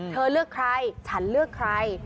เธอเลือกใครฉันเลือกใคร